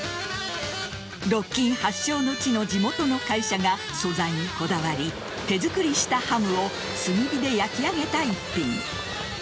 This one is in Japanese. ロッキン発祥の地の地元の会社が素材にこだわり手づくりしたハムを炭火で焼き上げた一品。